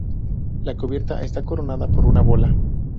La cubierta está coronada por una bola.